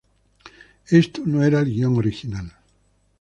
Ese no era el guion original.